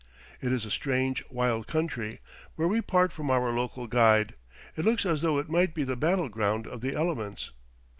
It is a strange, wild country, where we part from our local guide; it looks as though it might be the battleground of the elements.